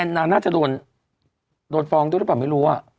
นางน่าจะโดนฟ้องด้วยหรือเปล่าไม่รู้